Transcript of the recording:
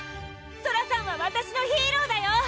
ソラさんはわたしのヒーローだよ